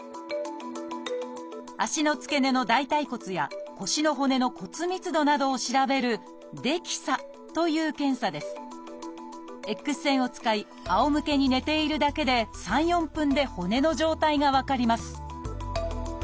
足の付け根の大腿骨や腰の骨の骨密度などを調べるＸ線を使いあおむけに寝ているだけで３４分で骨の状態が分かります